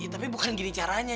tapi bukan gini caranya